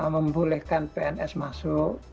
membolehkan pns masuk